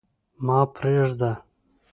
ما پرېږده.